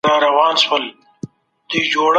په وروستيو لسيزو کي دا څانګي يو له بل جلا سوې.